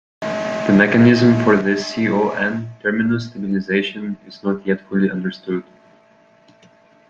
The mechanism for this Co N terminus stabilization is not yet fully understood.